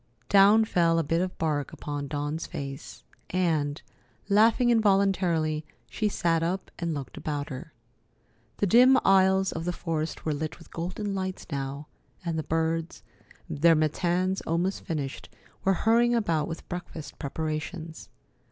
Down fell a bit of bark upon Dawn's face, and, laughing involuntarily, she sat up and looked about her. The dim aisles of the forest were lit with golden lights now, and the birds, their matins almost finished, were hurrying about with breakfast preparations.